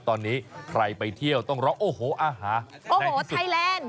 ตอนนี้ใครไปเที่ยวต้องรอโอ้โหอาหารแห่งที่สุดโอ้โหไทยแลนด์